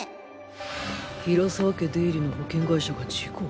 現在平沢家出入りの保険会社が事故。